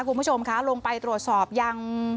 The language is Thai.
คุณผู้ชมคะลงไปตรวจสอบยัง